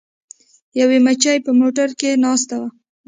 یوې مچۍ په موټر کې ناسته وه.